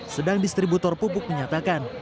sedang distributor pupuk menyatakan